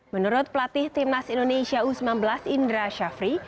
menurut pelatih timnas indonesia u sembilan belas indra syafri